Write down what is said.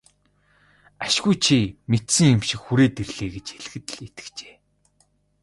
Ашгүй чи мэдсэн юм шиг хүрээд ирлээ гэж хэлэхэд л итгэжээ.